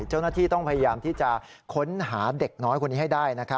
เจ้าหน้าที่ต้องพยายามที่จะค้นหาเด็กน้อยคนนี้ให้ได้